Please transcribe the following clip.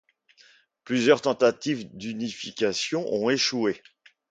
Plusieurs tentatives d'unification ont échoué.